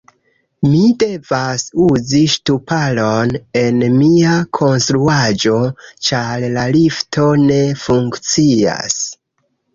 Mi devas uzi ŝtuparon en mia konstruaĵo ĉar la lifto ne funkcias